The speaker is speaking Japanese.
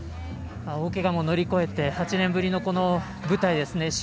大けがも乗り越えて８年ぶりのこの舞台ですね